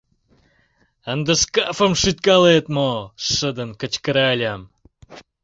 — Ынде шкафым шӱткалет мо? — шыдын кычкыральым.